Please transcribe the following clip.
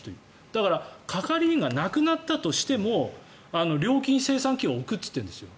だから係員がなくなったとしても料金精算機は置くって言っているんですよ。